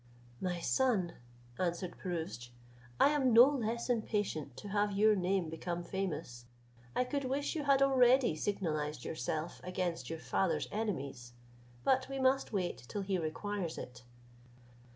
"My son," answered Pirouzč, "I am no less impatient to have your name become famous; I could wish you had already signalized yourself against your father's enemies; but we must wait till he requires it."